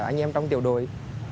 thời anh em trong tiểu đùi